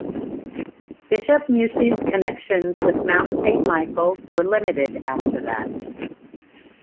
Bishop Musey's connections with Mount Saint Michael were limited after that.